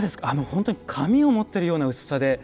本当に紙を持ってるような薄さで。